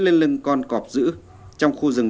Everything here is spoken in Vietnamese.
nốt lần này thôi